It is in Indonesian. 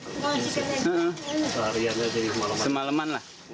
hari hari jadi semaleman